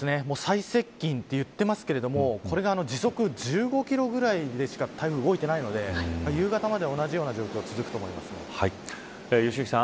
最接近と言っていますが時速１５キロくらいで台風が動いているので夕方まで同じ状況が良幸さん